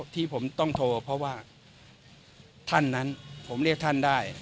ที่ผมต้องโทรเพราะว่าท่านนั้นผมเรียกท่านได้